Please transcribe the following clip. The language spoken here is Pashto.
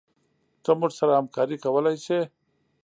ته موږ سره همکارې کولي شي